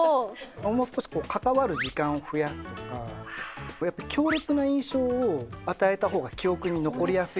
もう少し関わる時間を増やすとかやっぱ強烈な印象を与えたほうが記憶に残りやすいんですね。